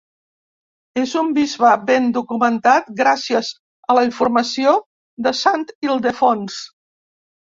És un bisbe ben documentat gràcies a la informació de sant Ildefons.